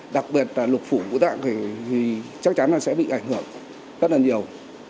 đặc biệt là lục phủ của tạng thì chắc chắn là sẽ bị ảnh hưởng rất là nhiều